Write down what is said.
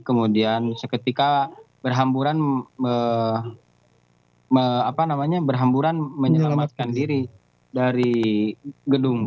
kemudian seketika berhamburan berhamburan menyelamatkan diri dari gedung